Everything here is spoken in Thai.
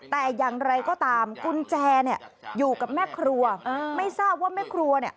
แต่อย่างไรก็ตามกุญแจเนี่ยอยู่กับแม่ครัวไม่ทราบว่าแม่ครัวเนี่ย